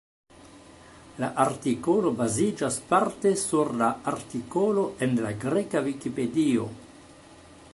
La artikolo baziĝas parte sur la artikolo en la greka Vikipedio.